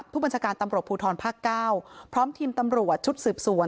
ผู้บัญชาการตำรวจภูทรภาค๙พร้อมทีมตำรวจชุดสืบสวน